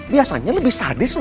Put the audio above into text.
biasanya lebih sadis loh